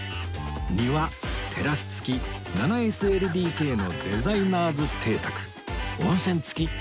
庭テラス付き ７ＳＬＤＫ のデザイナーズ邸宅温泉付き